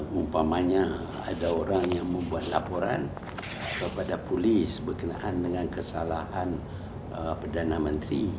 mumpamanya ada orang yang membuat laporan kepada polis berkenaan dengan kesalahan perdana menteri